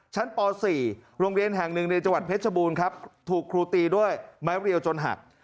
ป๔โรงเรียนแห่งหนึ่งในจังหวัดเพชรบูรณ์ครับถูกครูตีด้วยไม้เรียวจนหัก